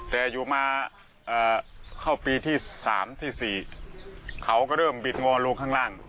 แต่อยู่มาเข้าปีที่๓ที่๔เขาก็เริ่มบิดงอนลงข้างล่าง